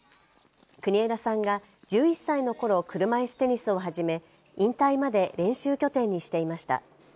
国枝さんが１１歳のころ車いすテニスを始め引退まで練習拠点にしていました。